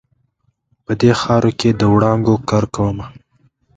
په دې خاورو کې د وړانګو کرکومه